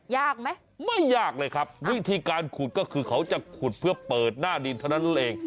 ยากไหมไม่ยากเลยครับวิธีการขุดก็คือเขาจะขุดเพื่อเปิดหน้าดินเท่านั้นเอง